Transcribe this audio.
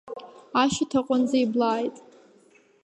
Ашьаҭа аҟынӡа иблааит.